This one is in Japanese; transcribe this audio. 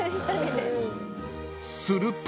［すると］